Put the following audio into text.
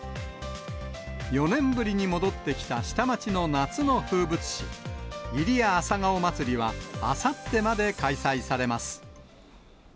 ４年ぶりに戻ってきた下町の夏の風物詩、入谷朝顔まつりは、あさってまで開催されます。